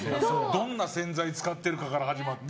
どんな洗剤を使っているかから始まって。